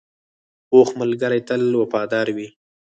پوخ ملګری تل وفادار وي